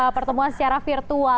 pertemuan secara virtual